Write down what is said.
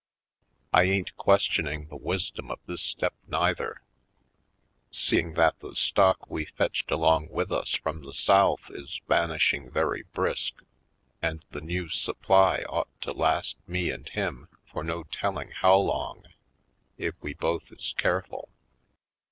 I ain't questioning the wisdom Gold Coast 99 of this step neither, seeking that the stock we fetched along with us from the South is vanishing very brisk, and the new supply ought to last me and him for no telling how long, if we both is careful.